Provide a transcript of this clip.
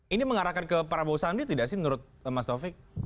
ini mengarahkan ke prabowo sandi tidak sih menurut mas taufik